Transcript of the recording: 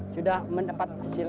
sudah mendapat hasil